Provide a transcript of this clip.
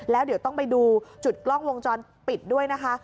แล้วเดี๋ยวต้องไปดูจุดกล้องวงจรปิดด้วยนะคะ